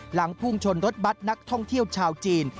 พุ่งชนรถบัตรนักท่องเที่ยวชาวจีน